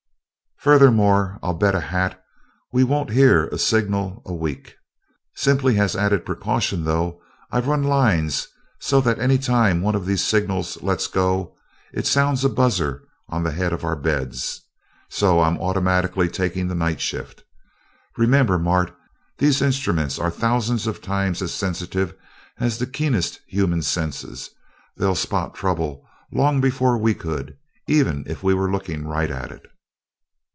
Furthermore, I'll bet a hat we won't hear a signal a week. Simply as added precaution, though, I've run lines so that any time one of these signals lets go, it sounds a buzzer on the head of our bed, so I'm automatically taking the night shift. Remember, Mart, these instruments are thousands of times as sensitive as the keenest human senses they'll spot trouble long before we could, even if we were looking right at it."